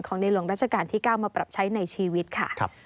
ในหลวงราชการที่๙มาปรับใช้ในชีวิตค่ะ